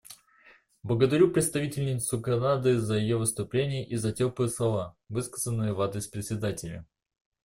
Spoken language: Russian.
Благодарю представительницу Канады за ее выступление и за теплые слова, высказанные в адрес Председателя.